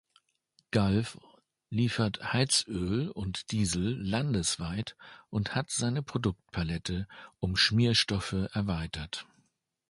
Gulf liefert Heizöl und Diesel landesweit und hat seine Produktpalette um Schmierstoffe erweitert.